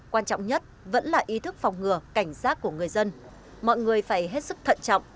quan trọng nhất vẫn là ý thức phòng ngừa cảnh giác của người dân mọi người phải hết sức thận trọng